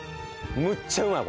むっちゃうまい